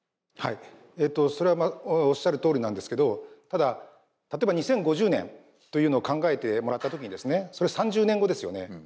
はいそれはおっしゃるとおりなんですけどただ例えば２０５０年というのを考えてもらった時にですねそれ３０年後ですよね。